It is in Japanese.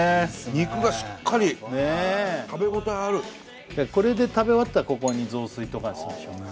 肉がしっかり食べ応えあるこれで食べ終わったらここに雑炊とかするんでしょうね